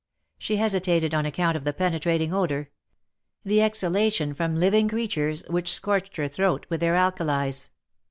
She hesitated on account of the penetrating odor — the exhalation from living creatures, which scorched her throat with their alkalies.